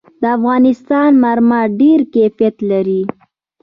د افغانستان مرمر ډېر کیفیت لري.